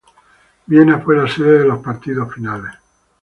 Viena fue la sede de los partidos finales.